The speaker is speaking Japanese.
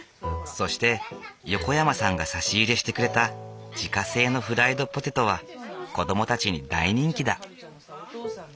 そして横山さんが差し入れしてくれた自家製のフライドポテトは子どもたちに大人気だ。